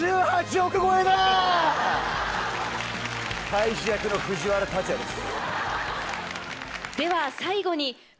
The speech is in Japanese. カイジ役の藤原竜也です。